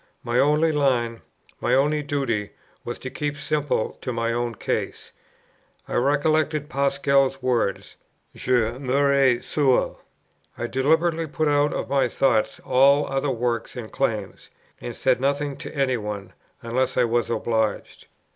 My only line, my only duty, was to keep simply to my own case. I recollected Pascal's words, "Je mourrai seul." I deliberately put out of my thoughts all other works and claims, and said nothing to any one, unless I was obliged.